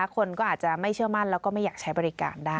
คนก็อาจจะไม่เชื่อมั่นแล้วก็ไม่อยากใช้บริการได้